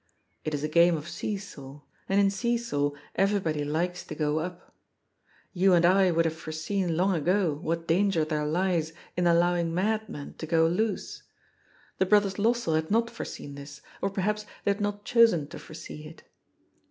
It is a game of see saw, and in see saw everybody likes to go up. You and I would have foreseen long ago what danger there lies in allowing madmen to go loose. The brothers Lossell had not foreseen this, or per haps they had not chosen to foresee it.